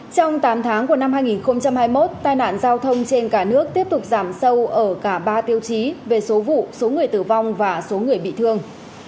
trong tám tháng của năm hai nghìn hai mươi một tai nạn giao thông trên cả nước tiếp tục giảm sâu ở cả ba tiêu chí về số vụ số người tử vong và số người bị thương